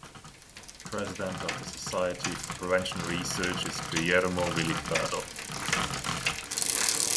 The president of the Society for Prevention Research is Guillermo "Willy" Prado.